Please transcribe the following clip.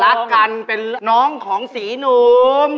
ลากกันนองหนึ่งของสีหนุ่ม